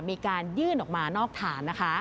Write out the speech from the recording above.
มีการยื่นออกมานอกฐานนะคะ